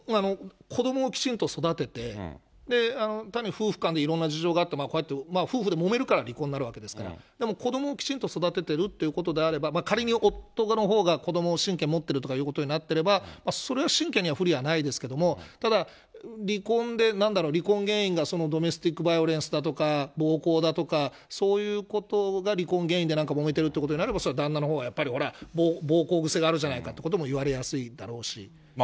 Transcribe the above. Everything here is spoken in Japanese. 子どもをきちんと育てて、単に夫婦間でいろいろ事情があって、こうやって、夫婦でもめるから離婚になるわけですから、子どもをきちんと育ててるってことであれば、仮に夫側のほうがこどもの親権持ってるということになれば、それは親権に不利はないですけれども、ただ離婚で、なんだろう、離婚原因がドメスティックバイオレンスだとか、暴行だとか、そういうことが離婚原因でなんかもめてるってことになれば、それは旦那のほうがやっぱり、ほら、暴行癖があるじゃないかっていうことも言われやすいだろうし。